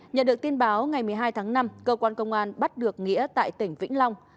nhận được tin báo ngày một mươi hai tháng năm cơ quan công an bắt được nghĩa tại tỉnh vĩnh long